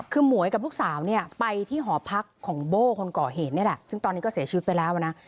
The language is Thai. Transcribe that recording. คือหมวยกับลูกสาวเนี่ยไปที่หอพักของโบ้คนก่อเหตุนี่แหละซึ่งตอนนี้ก็เสียชีวิตไปแล้วนะ